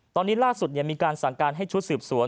ตอนนี้ล่าสุดมีการสั่งการให้ชุดสืบสวน